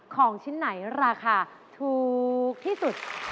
ของชิ้นไหนราคาถูกที่สุด